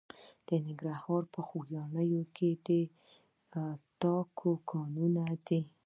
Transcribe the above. د ننګرهار په خوږیاڼیو کې د تالک کانونه دي.